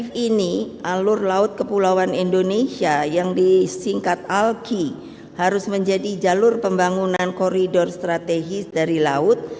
f ini alur laut kepulauan indonesia yang disingkat alki harus menjadi jalur pembangunan koridor strategis dari laut